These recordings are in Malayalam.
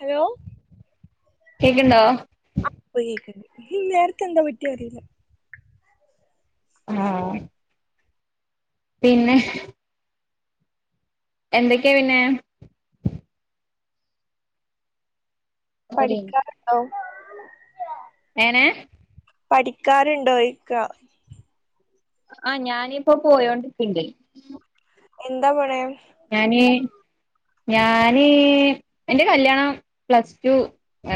ഹലോ കേക്ക്ണ്ടോ? ഇപ്പം കേക്ക്ണ്ട് നേരത്തെ എന്താ പറ്റിയെ അറിയില്ല. ആ പിന്നെ എന്തൊക്കെയാ പിന്നെ ഒര് പഠിക്കാറുണ്ടോ? എങ്ങനെ പഠിക്കാറുണ്ടോയ്ക്ക ആ ഞാനിപ്പോ പോയോണ്ടിരിക്കണ്ട് എന്താ പോണെ ഞാന് എന്റെ കല്യാണം പ്ലസ് ടു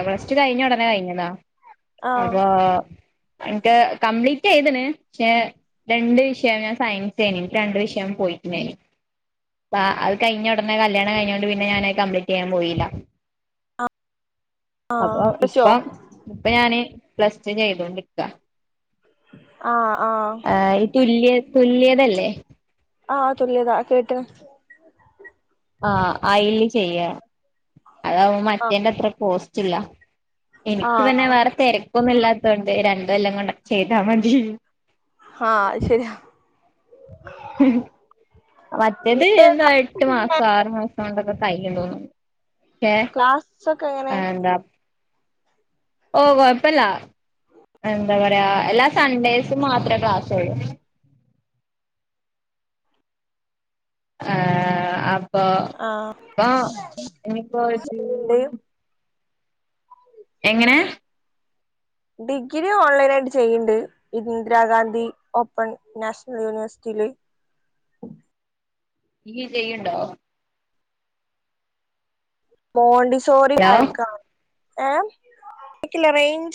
പ്ലസ് ടു കഴിഞ്ഞ ഉടനെ കഴിഞ്ഞതാ ആഹ് അപ്പൊ എനിക്ക് കംപ്ലീറ്റ് ചെയ്തുണ് പക്ഷെ രണ്ട് വിഷയം ഞാൻ സയൻസെയ്നിം ഇൻക്ക് രണ്ട് വിഷയം പോയിട്ടുന്നേനി. അ അത് കഴിഞ്ഞ ഉടനെ കല്യാണം കഴിഞ്ഞൊണ്ട് പിന്നെ ഞാനത് കംപ്ലീറ്റ് ചെയ്യാൻ പോയില്ല. ആ ആഹ് അപ്പൊ പശോ ഇപ്പ ഇപ്പൊ ഞാന് പ്ലസ് ചെയ്തോണ്ടിരിക്ക. ആ ആ ഈ തുല്യ തുല്യതല്ലേ ആഹ് തുല്യതാ കേട്ട്ണ് ആഅയില് ചെയ്യ അതാവുമ്പോ ആഹ് മറ്റേന്റെ അത്ര പോസ് ജില്ല എനിക്ക് പിന്നെ ആഹ് വേറെ തെര ക്കൊന്നും ഇല്ലാത്തോണ്ട് രണ്ട് കൊല്ലം കൊണ്ട് ചെയ്താൽ മതി ആ അത് ശരിയാ മറ്റേത് ഇന്നട്ട് എന്താ എട്ട് മാസം, ആറു മാസം ണ്ടൊക്കെ കയ്യും തോന്നുന്നു പക്ഷെ ക്ലാസ്സ് ഒക്കെ എങ്ങനെ എന്താ ഓ കൊഴപ്പില്ല എന്താ പറയാ എല്ലാ സൺഡേസും മാത്രേ ക്ലാസ്സൊള്ളൂ ആ ആഹ് പോ ആഹ് പോ ഇനിപ്പോ ചെയ്യ്ണ്ട് [unintelligible] എങ്ങനെ ഡിഗ്രി ഓൺലൈൻ ആയിട്ട് ചെയ്യിണ്ട്, ഇത് Indira Gandhi open national യൂണിവേഴ്സിറ്റിയില്. Degree ചെയ്യുണ്ടോ മോണ്ടി hello [unintelligible] ക്കാ ഏഹ് കേക്ക്ല്ല റേഞ്ച്‌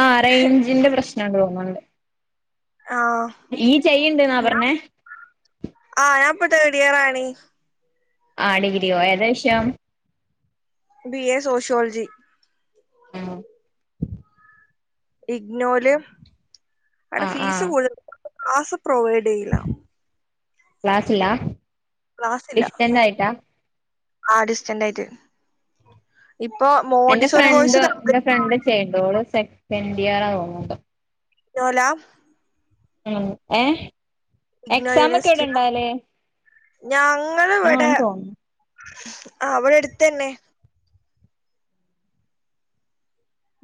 ആ റേഞ്ചിന്റെ പ്രശ്നോണ്ട് തോന്ന്ണ് ആഹ് ഈ ചെയ്യണ്ടെന്നാ പറഞ്ഞേ ആഹ് ഞാൻ ഇപ്പൊ തേർഡ് ഇയർ ആണ് ആ ഡിഗ്രിയോ ഏതാ വിഷയം? ബി എ സോഷ്യോളജി ആ ഇഗ്നോല് ആ അവിടെ ആ ഫീസ് കൂടു ആസ പ്രൊവൈഡ് ചെയ്യില്ല ക്ലാസ്ലില്ലാ ക്ലാസ് ഇല്ല ഇഷ്ട്ടണ്ടായിട്ടാ ആ ഡിസ്‌റ്റെന്റായിട്ട് എന്റെ ഫ്രണ്ട് ന്റെ ഫ്രണ്ട് ചെയ്യ്ണ്ട് ഓള് സെക്കൻന്റിയറാ തോന്നുന്നു പ്പം ചോല ഉം ഏ ഇഗ്നോ എക്സാം ഒക്കെ എവിടെ യൂണിവേഴസിറ്റിലാ ഇണ്ടാവല് ഞങ്ങള് ഇവ്ടെ ആന്ന് തോന്നുന്നു ആ വ്ടെ അടുത്തന്നെ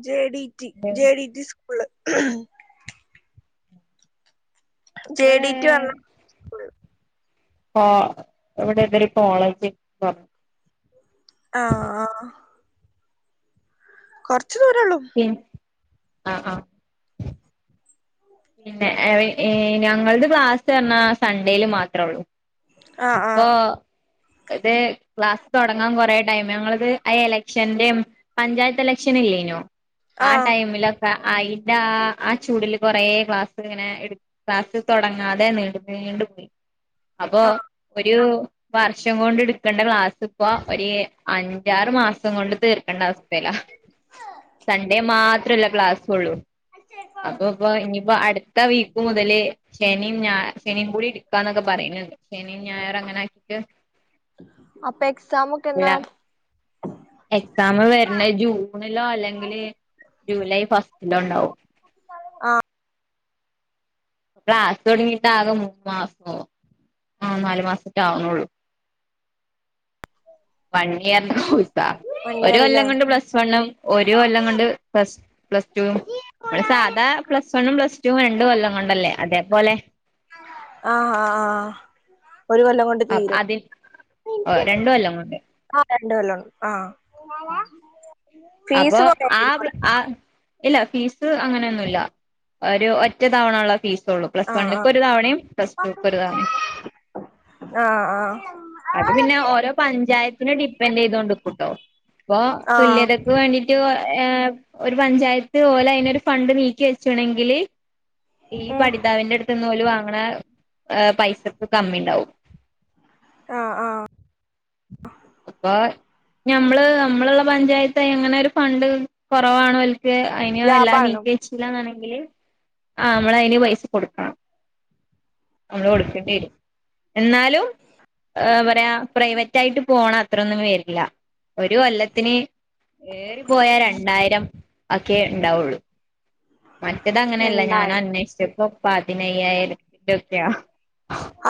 ജെ ഡി റ്റി ഇവിടെ ജെ ഡി റ്റി സു ഉള്ള് ജെ ഡി റ്റി പ ആ ഇവിടെ ഇവര് കോളേജി [unintelligible] അ അ ആ കൊറ് ച്ച് ദൂരൊള്ളു ആ ആ പിന്നെ, ഞങ്ങളുടെ ക്ലാസ് പറഞ്ഞാ സൺഡേല് മാത്രേ ഉള്ളൂ. ആഹ് ഇപ്പൊ ആഹ് [unintelligible] ക്ലാസ് തുടങ്ങാൻ കൊറെേ ടൈം, ഞങ്ങളത് ആ എലക്ഷന്റെയും, പഞ്ചായത്ത് എലക്ഷൻ ഇല്ലേനു ആ ആഹ് ടൈംമില് അയിന്റെ ആ ആ ചൂടില് കൊറെ ക്ലാസ്സ് ഇങ്ങനെ എ ക്ലാസ് തുടങ്ങാതെ നീണ്ട നീണ്ടു പോയി. അപ്പൊ ആഹ് വർഷം കൊണ്ട് എടുക്കേണ്ട ക്ലാസ് പ്പ ഒരേ അഞ്ചാറ് മാസം രസം കൊണ്ട് തീർക്കേണ്ട അവസ്ഥല്ല സഡേ മാ എത്രല്ല ക്ലാസ്ഉള്ളൂ അപ്പൊ ഇപ്പോ ഇനിയിപ്പോ അടുത്ത വീക്ക് മുതല് ശനിയും ഞാ ശനിയും കൂടി ഇടുക്കാന്നൊക്കെ പറയുന്നുണ്ട്. ഞായറും അങ്ങനെ ആക്കിട്ട് അപ്പൊ എക്സമ ഒക്കെ എന്നാ [unintelligible] ഞങ്ങള് വരുന്നത് ജൂണിലോ അല്ലെങ്കില് ജൂലൈ ഫസ്റ്റ് എല്ലാം ഉണ്ടാവും ആ അ ക്ലാസ് തുടങ്ങിട്ടാകെ മൂന്ന് മാസവോ ആ നാലു മാസവൊക്കെ ആകുന്നുള്ളു വണ്ടി [unintelligible] വൺ ഒരു കൊല്ലം ഇയർല്ലേ കൊണ്ട് പ്ലസ് വണ്ണും ഒരു കൊല്ലം കൊണ്ട് പ്ലസ് പ്ലസ് ടുവും നമ്മള് സാധാ പ്ലസ് വണ്ണും പ്ലസ് ടുവും രണ്ടും കൊല്ലം രണ്ടല്ലേ അതേപോലെ ആ ആ ആ ഒരു കൊല്ലം കൊണ്ട് തീരും അതി രണ്ട് കൊല്ലം കൊണ്ട് ആ രണ്ട് കൊല്ലം ആ [unintelligible] അപ്പൊ ആ ആ ഇല്ല ഫീസ് അങ്ങനെയൊന്നുമല്ല ഒരു ഒറ്റ തവണ ഉള്ളു ഫീസ് പ്ലസ് ആഹ് വണ്ണക്ക് ആഹ് ഒരു തവണയും പ്ലസ് ടുവി ക്ക് ഒരു തവണയും ആഹ് ആഹ് അത് പിന്നെ ഓരോ പഞ്ചായത്തിനെ ഡിപ്പെന്റ് ചെയ്‌തോണ്ടിരിക്കോട്ടോ ഇപ്പൊ ആഹ് തുല്യത വേണ്ടീട്ട് ഒരു പഞ്ചായത്ത് പോലെ അതിനൊരു ഫണ്ട് നീക്കി വെച്ചുണെങ്കിൽ ഈ ഉം പഠിതാവിന്റെ അടുത്തുന്ന് [unintelligible] കുറേ പൈസക്ക് കമ്മി ഉണ്ടാവും ആഹ് ആഹ് അപ്പോ ഞമ്മള് നമ്മളുള്ള പഞ്ചായ ത്ത് എങ്ങനെ ഒരു ഫണ്ട് കുറവാണ അല്ല അതിനെയോ എല്ലാം ലാഭാണല്ലോ നീക്കി വെച്ചിട്ടില്ലന്ന് ഉണ്ടെങ്കിൽ ആ നമ്മൾ അതിന് പൈസ കൊടുക്കണം നമ്മള് കൊടുക്കേണ്ടി വരും എന്നാലും പറയാ പ്രൈവറ്റ് ആയിട്ട് പോണം അത്രൊന്നും വരില്ല ഒരു കൊല്ലത്തിന് ഏറി പോയാ രണ്ടായിരം ഒക്കെയെ ഉണ്ടാവുള്ളു മറ്റേത് അങ്ങനെയല്ല ഞാൻ രണ്ടായി അന്വേഷിച്ചപ്പോ പതിനയ്യായിരം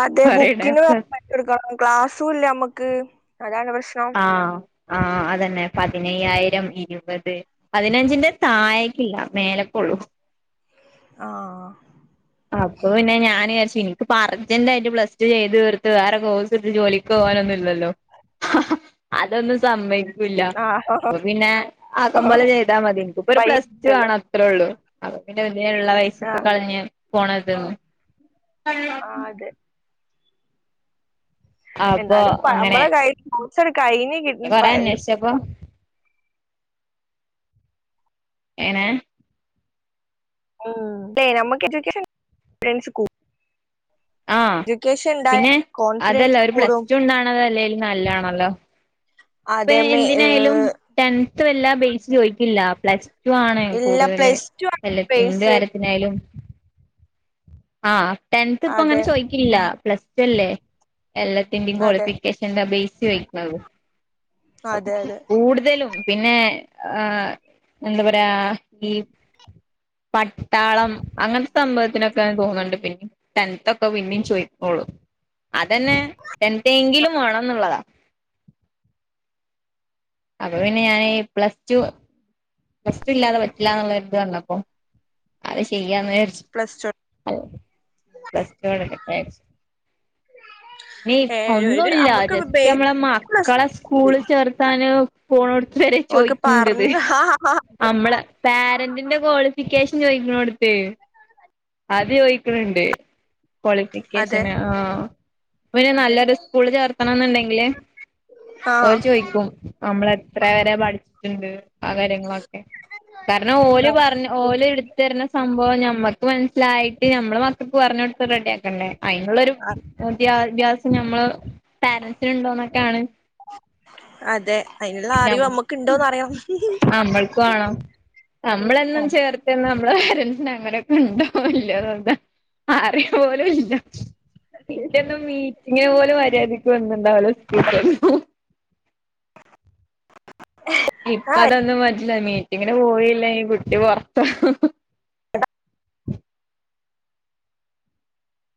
അതെ പറയണേ ബുക്കിന് വേറെ പൈസ കൊടുക്കണം ക്ലാ സൂല നമുക്ക് അതാണ് പ്രശ്നം ആ അതന്നെ പതിനയ്യായിരം ഇരുപത് പതിനഞ്ചിന്റെ താഴക്കില്ല മേലക്കുള്ളൂ ആ എനിക്കിപ്പൊ അറ്ജന്റ് ആയിട്ട് പ്ലസ്റ്റു ചെയ്ത് തീർത്തു വേറെ കോഴ്സ് ഇട്ട് ജോലിക്ക് പോകാനൊന്നും ഇല്ലല്ലോ ഹാ ഹ അതൊന്നും സമ്മയിക് ആഹ് അപ്പ പിന്നെ ആക്കം പോലെ ചെയ്താ മതി എനിക്കിപ്പൊ ഒരു പ്ലസ് ടു പയ്യല്ലോ വേണം അത്രേ ഉള്ളൂ അപ്പൊ പിന്നെ എന്തിനാ ഉള്ള പയിസ്സ ആഹ് കളിഞ്ഞി പോണത് ആ അതെ എന്നാലും നമ്മളെ കയ്യില് കൊറേ അന്വേഷിച്ചപ്പൊ എങ്ങനെ ഉ അതെ നമ്മുക്ക് എഡ്യൂക്കേഷൻ കു ആ പിന്നെ അതല്ല കോൺഫിഡൻസ് ഒരു പ്ലസ് കൂടും ടു ഉണ്ടാണത് അല്ലേലും നല്ലാണല്ലോ ഇപ്പ അതെ മേ എന്തിനായാലും ഏഹ് ചെ എല്ലാം ബേസ് ചോദിയിക്കില്ല പ്ലസ് പ്ലസ്ട്ടു ആണ് ഇല്ല കുടുതലും പ്ലസ് ടു ആണ് എന്ത് ബേസ് കാര്യത്തിനായാലും ആ ടെൻത്ത് ഇപ്പൊ അതെ അങ്ങനെ ചോയിക്കില്ല പ്ലസ്ട്ടു അല്ലേ എല്ലാത്തിന്റെയും അതെ ക്വാളിഫിക്കേഷൻന്റെ ബേസ് ചോയിക്ക്ണത് അതെ അതെ കൂടുതലും പിന്നെ ആ എന്താ പറയാ ഈ പട്ടാളം അങ്ങനത്തെ സംഭവത്തിനൊക്കെ തോന്നുന്ന്ണ്ട് പിന്നെ ടെൻത്ത് ഒക്കെ പിന്നെയും ചോയിചക്കുള്ളു അതന്നെ ടെൻത്തെ എങ്കിലും വേണംന്നുള്ളതാ അപ്പ പിന്നെ ഞാന് പ്ലസ് ടു പ്ലസ് റ്റു ഇല്ലാതെ പറ്റില്ല എന്നുള്ളത് വന്നപ്പൊ അത് ചെയ്യാന്ന് വിചാരിച് പ്ലസ് ടു അ പ്ലസ് റ്റു താക്സ് വെയ് ഏ ഒരു ഒന്നൂല്ല നമ്മക്ക് ജസ്റ്റ് ബേസ് മ്മളെ പ്ലസ് മക്കളെ ടു സ്കൂള് ചേർത്താന് പോണോടത് വരെ ഓൾക്ക് ചോയിക്ക്ണ് ണ്ട്ത് പറഞ്ഞ നമ്മളെ പാരന്റിന്റെ ക്വാളിഫിക്കേഷൻ ചോയിക്കണോട്ത്തെ അത് ചോയിക്കണ് ണ്ട് അതെ ക്വാളിഫിക്കേഷന് ആഹ് പിന്നെ നല്ലൊരു സ്കൂള് ചേർത്തണേന്ന്ണ്ടെങ്കില് ഓര് ആഹ് ചോയ്ക്കും നമ്മളെത്ര വരെ പഠിച്ചിട്ട്ണ്ട് അതെ ക്കെ കാരണം ഓല് പറഞ്ഞ ഓല് ഇട്ത്തേര്ണ സംഭ അപ്പോ ഞമ്മക്ക് മനസ്സിലായിട്ട് നമ്മള് മക്കക്ക് പറഞ്ഞോട് തൊക്കെ റെഡിയാക്കണ്ടേ അതിനുള്ളരു വിദ്യാഭ്യാസം നമ്മള് പാരന്സിന്ണ്ടോന്നൊക്കെയാണ് അതെ അതിനുള്ള അറിവ് നമ്മക് നമ്മക്ക് ഇണ്ടോന്ന് അറിയണം ക്കണം അതെ നമ്മളേന്നും ആഹ് ചേർതന്ന് നമ്മുടെ പോരൻസിന് അങ്ങനൊക്കെ ണ്ടോ വല്ലതുണ്ടോ അറിയ പോലും ഇല്ല ഇന്റോന്നും മീറ്റിങ്ങിന് പോലും വരില്ല അത്യാധ വ എന്ത സ്ക്ക [unintelligible] ഇപ്പൊ അതൊന്നും പറ്റി ല്ല മീറ്റിങ്ങിന് പോയില്ലങ്കി കുട്ടി പൊറ്ത്താ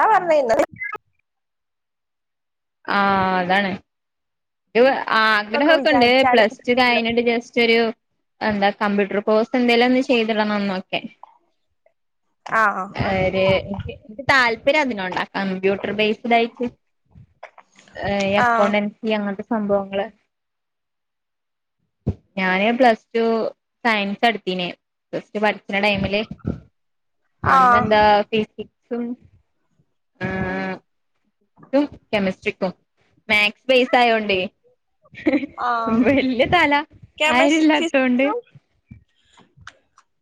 ആന്നേ നല്ല ആഹ് അതാണ് ഇ ന്നൊക്കെ ആഗ്രഹോക്കെണ്ട് വിചാരിച്ചാലും പ്ലസ് ടു കഞ്ഞിട്ട് ജസ്റ്റ് ചെറിയൊരു എന്താ കമ്പ്യൂട്ടർ കോഴ്സ് എന്തേലും ഒന്ന് ചെയ്തിടണംന്നൊക്കെ ആഹ് ഒര് ഇൻക്ക് ഇൻക്ക് താല്പ ര്യ അതിനോടാ കമ്പ്യൂട്ടർ ബേസ്ഡായിട്ട് യേ ഈ ആഹ് അക്കൗണ്ടൻസി അങ്ങനത്തെ സംഭവങ്ങള് ഞാന് പ്ലസ് ടു സയൻസ് ഇട്ത്തീനെ പ്ലസ് ടു പഠിക്കണ ടൈമില് ആഹ് അന്നെന്താ ഫീ സും ഏ ഫിസിക്സും കെമിസ്ട്രിക്കും മാത്സ് ബേസ് ആയോണ്ടേ വല്യ തല കെമസ് ആരുല്ലാത്തോണ്ട് ഫിസിക്സും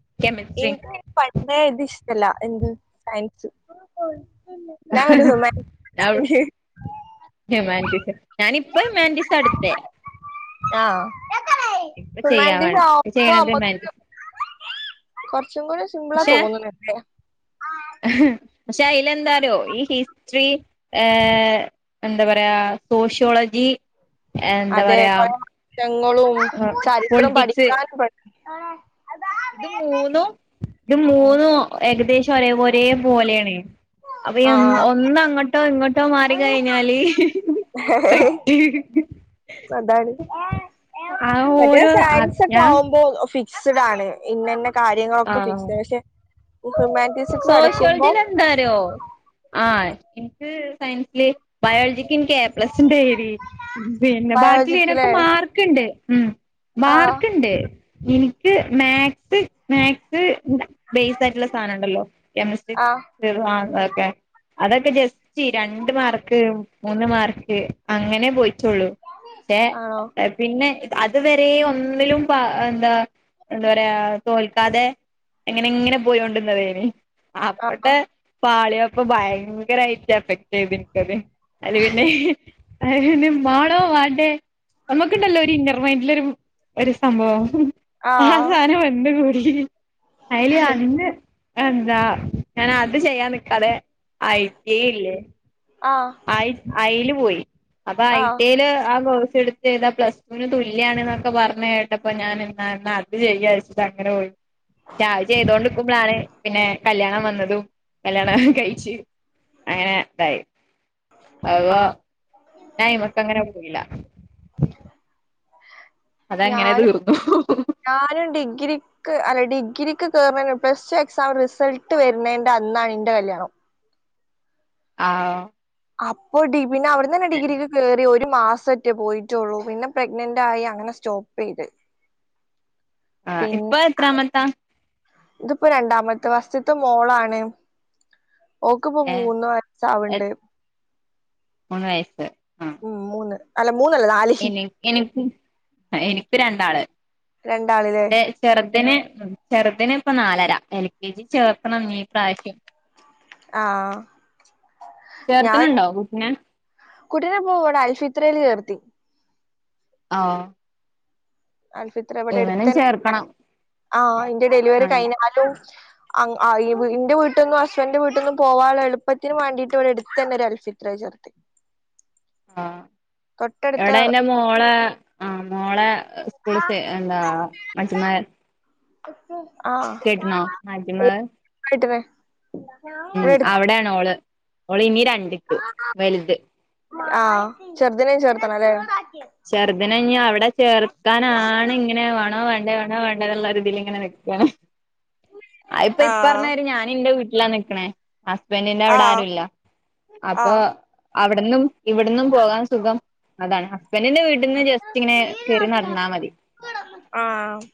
[unintelligible] കെമിസ്ട്രി ഇഷ്.. [unintelligible] എന്ത് സയൻസ് ഞാൻ ഒരു [unintelligible] ഹ്യൂമാനിറ്റീസ് ഹ്യുമാനിറ്റീസ് ഞാനിപ്പ ഹ്യുമാനിറ്റീസാ എടുത്തേ ആ ഇപ്പം ചെയ്യാ [unintelligible] [inaudible] ഇവിടെ സിംബിളാ തോന്നുന്നെതേ ആ പക്ഷെ അയില എന്താറിയോ ഈ ഹിസ്ട്രറി ഏ എന്താ പറയാ സോഷ്യോളജി എന്താ അതെ പറയാ കൊറെ വർഷങ്ങളും ചരിത്രം പൊളിറ്റിക്സ് പഠിക്കാനും പട് ആ ഇത് മൂന്നും ഇത് പഠിക്കും മൂന്നും ഏകദേശം ഒരേപൊരേ പോലെയാണ് അപ്പൊ ആഹ് ഒന്ന് അങ്ങോട്ടോ ഇങ്ങോട്ടോ മാറി കഴിഞ്ഞാല് പെട്ട് അതാണ് ആ മറ്റേ ഓരോ ആ സയൻസ് ഒക്കെ ഞാൻ ആവുമ്പോ ഫിറ്റ് ഫിക്സഡാണ് ഇന്നയിന്ന കാര്യങ്ങളൊക്കെ ഫിക്സ് പക്ഷെ ഹ്യൂമാനിറ്റീസ്ക്ക് കടക്കുമ്പോ സോഷ്യോളജിയിലെന്താരിയോ ആ എനിക്ക് സയൻസില് ബയോളജിക്ക് നിക്ക് എ പ്ലസ് ഇണ്ട് ഏയിനി പിന്നെ ബാക്കിള്ളേനൊക്കെ ബയോളജിക്കില് മാർക്ക്ണ്ട്. ഉം ആഹ് മാർക്ക് ഇണ്ട് എനിക്ക് മാത്ത്സ് മാത്ത്സ് ബേസ് ആയിട്ടുള്ള സാധനാണ്. കെമിസ്ട്രി ആഹ് [unintelligible] [inaudible] അതൊക്കെ ജസ്റ്റി രണ്ട് മാർക്ക് മൂന്ന് മാർക്ക് അങ്ങനെ പോയി ത്തുള്ളൂ റ്റെ ആണോ പിന്നെ അത്‌വെര് [unintelligible] ഒന്നിലും പ്പ എന്താ എന്താ പറയാ തോൽക്കാതെ എങ്ങനെ ഇങ്ങനെ പോയോണ്ട്ന്നതേന് [inaudible] അപ്പടെ ആഹ് പാളിയാ പ് അപ്പൊ ഭയങ്കരമായിട്ട് എഫക്ട് ചെയ്തിനക്കത് അത് പിന്നെ അയിന് പിന്നെ മാണോ മാണ്ടേ നമ്മക്കുണ്ടല്ലോ ഒരു ഇന്നർമൈൻഡ്ലൊരു മ് ഒരു സംഭവം ആ ആഹ് സാനം വരുന് അയില് [unintelligible] ആഹ് താ ഞാൻ അത് ചെയ്യാൻ നിക്കാതെ ഐ ടി ഐ ഇല്ലേ ആഹ് അയ് അയില് പോയി അപ്പൊ ഐ ആഹ് ടി ഐ ല് ആ കോഴ്‌സ് എടുത്ത് ചെയ്താ പ്ലസ് ടുവിന് തുല്യാണ് എന്നൊക്കെ പറഞ്ഞ് കേട്ടപ്പോ ഞാൻ എന്നാ അത് ചെയ്യാച്ചിട്ടു അങ്ങനെ പോയി പക്ഷെ അത് ചെയ്തോണ്ടിക്കുമ്പോളാണ് പിന്നെ കല്ല്യാണം വന്നതും കല്യാണം കഴിച്ചു അങ്ങനെ തായി ആഹ് പിന്നെ ആയിമക് അങ്ങനെ പോയില്ല. അതങ്ങനെ ഞാനും തീർന്നു ഞാനും ഡിഗ്രി. ക്ക് അല്ല ഡിഗ്രിക്ക് കേറണേനു മുൻപ് പ്ലസ് ടു എക്സാം റിസൾട്ട് വെരുന്നേൻ്റെ അന്നാണ് ഇന്റെ കല്യാണം. ആഹ് അപ്പൊ ഡി പിന്നെ അവിടെന്ന് തന്നെ ഡിഗ്രിക്ക് കേറി ഒരു മാസാറ്റോ പോയിറ്റൊള്ളു പിന്നെ പ്രഗ്നന്റ് ആയി അങ്ങനെ സ്റ്റോപ്പ് ചെയ്ത്. ആഹ് പിന്നെ ഇപ്പൊ എത്രാമത്താ? ആ ഫസ്റ്റ്ത്തെ മോളാണ് ഓക്ക് ഇപ്പൊ ഏഹ് മൂന്ന് വയസാവുണ്ട് ഉം മൂന്ന്. അല്ല മൂന്നല്ല നാല് ഇനി എനിക്ക് ആ എനിക്ക് രണ്ട് ണ്ടാള്. രണ്ടാളില്ലേ ന്റെ ചെറുതിന് ചെറുതിന് ഇപ്പ നാലര എൽ കെ ജി ചേർത്തണം ഇനി ഈ പ്രാവശ്യം. ആഹ് ആഹ് ഞാൻ ചേർത്തണുണ്ടോ കുട്ടിനെ കുട്ടീനെപ്പോ ഇവിടെ അൽഫിത്രേല് ചേർ [unintelligible] ആഹ് അൽഫിത്ര ഇവിടെ ഇവനും അടുത്തന്നെണ്ട് ചേർക്കണം ആഹ് ഇന്റെ ഡെലിവറി ആഹ് കഴിഞ്ഞാലും അങ്ങ് അയ് ഇന്റെ വീട്ട്ന്നും ഹസ്ബൻഡ്ന്റെ വീട്ട്ന്നും പോവാനുള്ള എളുപ്പത്തിന് വാണ്ടിട്ട് ഇവിടെ അടുത്തന്നെ ഒരു അൽഫിത്രയിൽ ചേർത്തി ആഹ് തൊട്ടടുത്ത എവിടെന്റെ മോള് ആഹ് മോളെ അ സ്കൂളിത്തെ എന്താ [unintelligible] കേട്ടണോ ആഹ് മജ്മ [unintelligible] ഉം ഇവിടെ അടുത്ത് അവിടെയാണ് ഓള്. ഒളിനി രണ്ട്ക്ക് വൽത് ആ ചെറുതിനേം ചേർത്തണല്ലേ? ചെർതിനെഞ്ഞ് അവിടെ ചേർക്കാനാണ് ഇങ്ങനെ വേണോ വേണ്ടേ വേണോ വേണ്ട എന്നുള്ളൊരു ഇതില് ഇങ്ങനെ നിക്കാണ് ആ ഇപ്പൊ ഇപ്പ ആഹ് പറഞ്ഞര് ഞാനിന്റെ വീട്ടി ട്ടിലാ നിക്കണെ ഹസ്ബൻഡിന്റെ അവിടെ ആഹ് ആരുല്ല അപ്പൊ ആഹ് അവിടന്നും ഇവിടന്നും പോകാൻ സുഖം അതാണ് ബന്റ്ന്റെ വീട്ടിന്ന് ജസ്റ്റ് ഇങ്ങനെ കേറി നടന്നാ മതി ആഹ്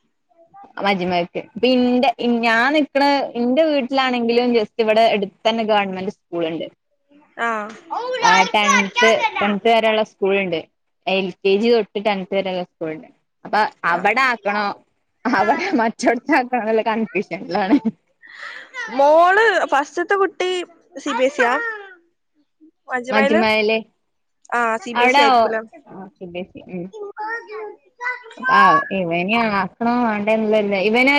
മജ്മഹ്ക്ക്. ഇന്റെ ഞാൻ നിക്കണ ഇന്റെ വീട്ടിലാണെങ്കിലും ജസ്റ്റ് ഇവിടെ എടുത്തന്നെ ഗവൺമെന്റ് സ്കൂള്ണ്ട്. ആഹ് ആ ടെൻത്ത് ടെൻത്ത് വരെയള്ള സ്കൂള്ണ്ട്. എൽ കെ ജി തൊട്ട് ടെൻത്തെരെള്ള സ്കൂള്ണ്ട് അപ്പ ആഹ് അവടെ ആക്കണോ അവടെ മറ്റൊ [unintelligible] മോള് ഫസ്റ്റത്തെ കു ട്ടി സി ബി എസ്യ മജ്മഹ് ല് ആഹ് സി ബി എസ് അവടെ ഇ ആയിരിക്കൂലേ സി ബി എസി മ്മ് ആ ഇവനിം ആ ക്കണോ വേണ്ടേന്ന്ള്ളൊരു ഇവന്